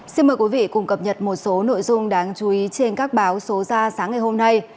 xin mời quý vị cùng cập nhật một số nội dung đáng chú ý trên các báo số ra sáng ngày hôm nay